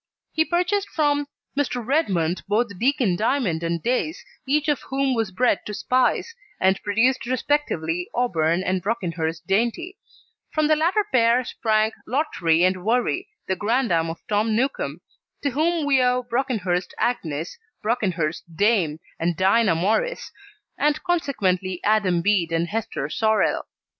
He purchased from Mr. Redmond both Deacon Diamond and Daze, each of whom was bred to Spice, and produced respectively Auburn and Brockenhurst Dainty; from the latter pair sprang Lottery and Worry, the granddam of Tom Newcome, to whom we owe Brockenhurst Agnes, Brockenhurst Dame, and Dinah Morris, and consequently Adam Bede and Hester Sorrel.